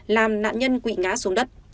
làm nạn nhân quỵ ngã xuống đất